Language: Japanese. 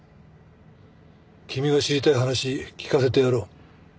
君が知りたい話聞かせてやろう。